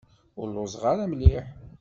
Ur lluẓeɣ ara mliḥ.